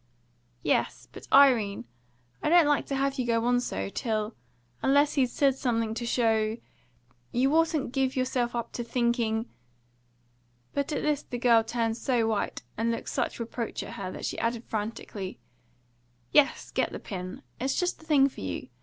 "Yes; but Irene I don't like to have you go on so, till unless he's said something to show You oughtn't to give yourself up to thinking " But at this the girl turned so white, and looked such reproach at her, that she added frantically: "Yes, get the pin. It is just the thing for you!